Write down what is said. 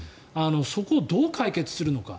そこをどう解決するのか。